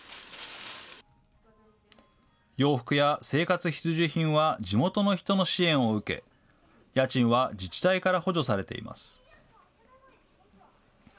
洋服や生活必需品は地元の人の支援を受け、家賃は自治体から補助されています。